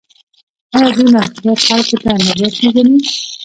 آیا دوی محصولات خلکو ته نه ورپېژني؟